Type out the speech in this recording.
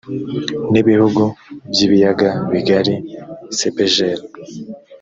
n ibihugu by ibiyaga bigari cepgl